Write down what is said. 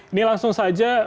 ini langsung saja